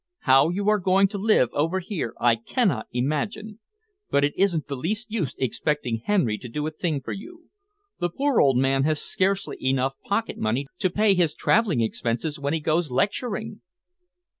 How you are going to live over here I cannot imagine, but it isn't the least use expecting Henry to do a thing for you. The poor man has scarcely enough pocket money to pay his travelling expenses when he goes lecturing."